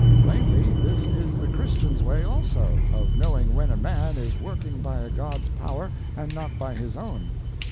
Plainly, this is the Christian's way also, of knowing when a man is working by a god's power and not by his own.